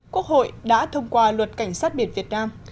quốc hội đã thông qua luật cảnh sát biển việt nam